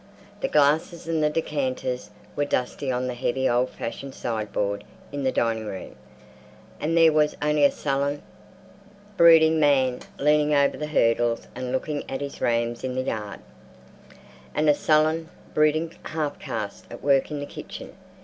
The glasses and decanters were dusty on the heavy old fashioned sideboard in the dining room; and there was only a sullen, brooding man leaning over the hurdles and looking at his rams in the yard, and a sullen, brooding half caste at work in the kitchen.